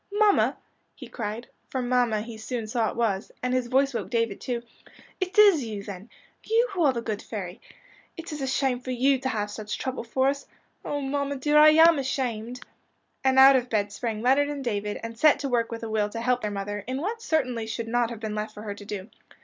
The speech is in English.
"Mamma," he cried for mamma he soon saw it was and his voice woke David too, "it is you then you who are the good fairy! It is a shame for you to have such trouble for us. Oh, mamma, dear, I am ashamed," and out of bed sprang Leonard and David, and set to work with a will to help their mother, in what certainly should not have been left for her to do.